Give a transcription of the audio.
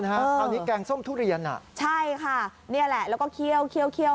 คราวนี้แกงส้มทุเรียนอ่ะใช่ค่ะนี่แหละแล้วก็เคี่ยว